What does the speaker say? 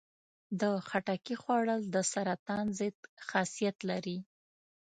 د خټکي خوړل د سرطان ضد خاصیت لري.